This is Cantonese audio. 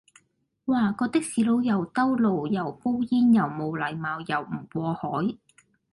哇，個的士佬又兜路，又煲煙，又冇禮貌，又唔過海